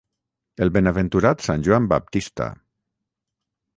El benaventurat sant Joan Baptista.